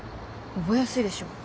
覚えやすいでしょ。